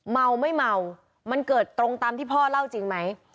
เมาไม่เมามันเกิดตรงตามที่พ่อเล่าจริงไหม